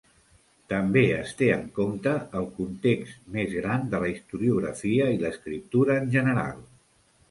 També es té en compte el context més gran de la historiografia i l'escriptura en general.